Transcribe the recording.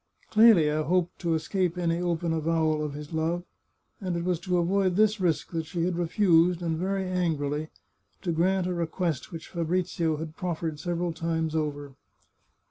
Clelia hoped to escape any open avowal of his love, and it was to avoid this risk that she had refused, and very angrily, to grant a request which Fabrizio had proffered several times over.